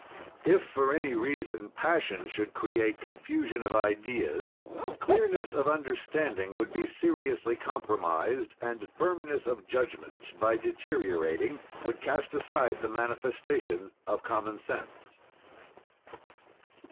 "If, for any reason, passion should create confusion of ideas, clearness of understanding would be seriously compromised and firmness of judgment, by deteriorating, would cast aside the manifestation of common sense.